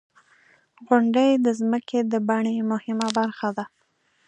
• غونډۍ د ځمکې د بڼې مهمه برخه ده.